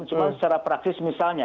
cuma secara praktis misalnya